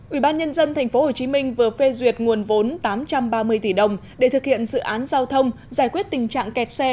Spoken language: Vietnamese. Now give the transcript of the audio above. ubnd tp hcm vừa phê duyệt nguồn vốn tám trăm ba mươi tỷ đồng để thực hiện dự án giao thông giải quyết tình trạng kẹt xe